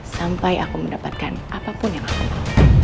sampai aku mendapatkan apapun yang aku mau